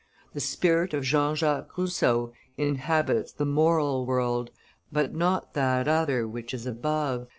"The spirit of Jean Jacques Rousseau inhabits the moral world, but not that other which is above," M.